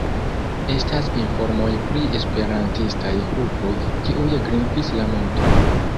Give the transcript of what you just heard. Estas informoj pri esperantistaj grupoj, kiuj grimpis la monton.